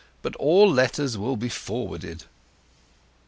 But all letters will be forwarded."